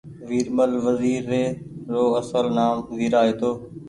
ويرمل وزير ري رو اصل نآم ويرا هيتو